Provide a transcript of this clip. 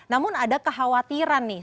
namun ada kekhawatiran nih